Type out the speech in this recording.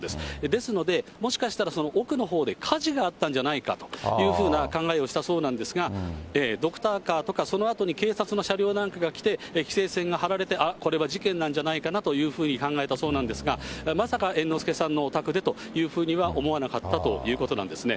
ですので、もしかしたら、その奥のほうで火事があったんじゃないかというふうな考えをしたそうなんですが、ドクターカーとか、そのあとに警察の車両なんかが来て、規制線が張られて、あっ、これは事件なんじゃないかなというふうに考えたそうなんですが、まさか猿之助さんのお宅でというふうには思わなかったということなんですね。